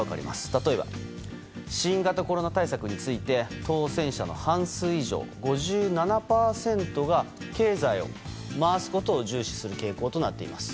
例えば、新型コロナ対策について当選者の半数以上５７％が経済を回すことを重視する傾向となっています。